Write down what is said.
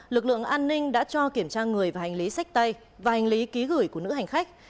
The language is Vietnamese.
lực lượng an ninh đã cho kiểm tra người và hành lý sách tay và hành lý ký gửi của nữ hành khách